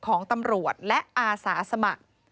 ของตำรวจและอาสาสมัคร